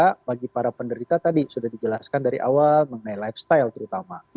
karena bagi para penderita tadi sudah dijelaskan dari awal mengenai lifestyle terutama